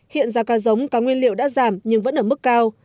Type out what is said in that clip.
hiện giá cá giống cá nguyên liệu đã giảm nhưng vẫn ở mức cao